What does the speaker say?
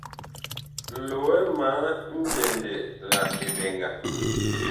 Loɛ ma mbyɛndɛ la eɓɛŋga.